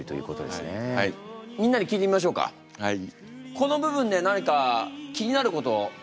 この部分で何か気になることあるかな？